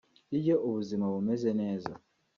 Iyo ubuzima bumeze neza